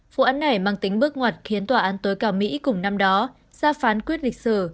hai nghìn một mươi hai vụ án này mang tính bước ngoặt khiến tòa án tối cao mỹ cùng năm đó ra phán quyết lịch sử